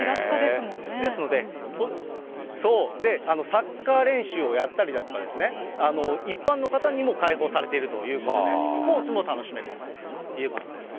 ですので、サッカー練習をやったりだとか、一般の方にも開放されているということで、スポーツも楽しめるということです。